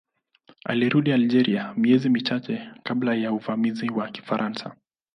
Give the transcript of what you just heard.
Alirudi Algeria miezi michache kabla ya uvamizi wa Kifaransa.